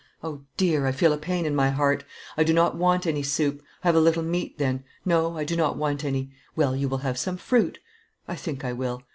O, dear! I feel a pain in my heart; I do not want any soup. Have a little meat then. No, I do not want any. Well, you will have some fruit. I think I will.